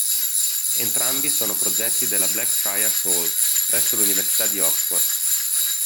Entrambi sono progetti della Blackfriars Hall, presso l'Università di Oxford.